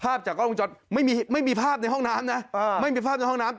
ภาพจากอาร์ต้องจ้อนไม่มีภาพในห้องน้ำนะ